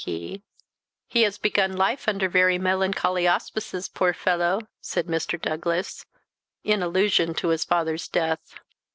"He has begun life under very melancholy auspices, poor fellow!" said Mr. Douglas, in allusion to his father's death.